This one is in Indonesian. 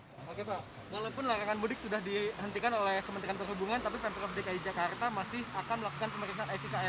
oke pak walaupun larangan mudik sudah dihentikan oleh kementerian perhubungan tapi pemprov dki jakarta masih akan melakukan pemeriksaan sikm